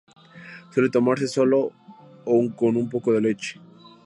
Suele tomarse solo o con un poco de leche.